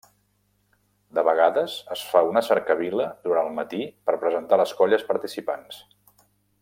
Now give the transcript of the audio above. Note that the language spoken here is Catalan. De vegades es fa una cercavila durant el matí per presentar les colles participants.